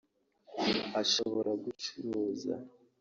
ashobora gucuruza